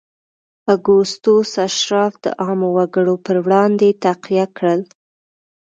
اګوستوس اشراف د عامو وګړو پر وړاندې تقویه کړل